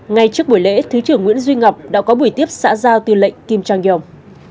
ngay trước buổi lễ thứ trưởng nguyễn duy ngọc đã có buổi tiếp xã giao tư lệnh kim chong